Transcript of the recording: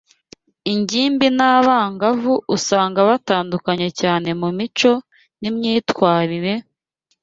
ingimbi n’abangavu usanga batandukanye cyane mu mico n’imyitwarire,